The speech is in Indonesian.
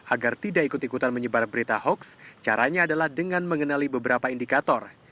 agar tidak ikut ikutan menyebar berita hoax caranya adalah dengan mengenali beberapa indikator